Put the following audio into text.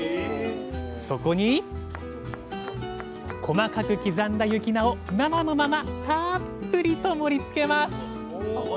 そこに細かく刻んだ雪菜を生のままたっぷりと盛りつけます